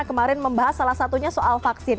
kemarin membahas salah satunya soal vaksin